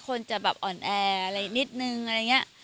คนจะแบบอ่อนแออะไรนิดนึงอะไรอย่างนี้